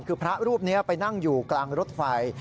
คือพระรูปนี้ไปนั่งอยู่กลางรถไฟ